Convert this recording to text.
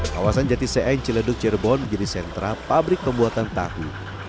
kawasan jatisein ciledug cirebon menjadi sentra pabrik pembuatan tahu